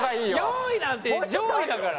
４位なんて上位だから。